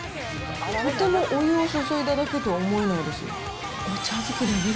とてもお湯を注いだだけとは思えないです。